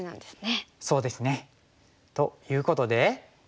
そうですね。ということで。